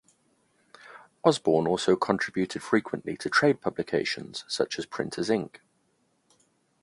Osborn also contributed frequently to trade publications such as Printer's Ink.